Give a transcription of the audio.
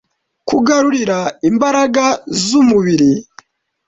kugarurira imbaraga z’umubiri